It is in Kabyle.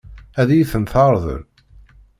Ad iyi-ten-teṛḍel?